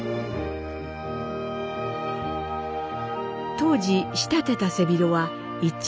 当時仕立てた背広は１着